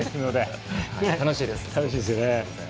楽しいですよね。